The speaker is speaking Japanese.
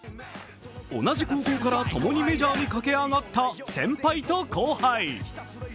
同じ高校から共にメジャーに駆け上がった先輩と後輩。